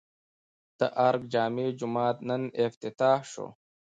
د ارګ جامع جومات نن افتتاح شو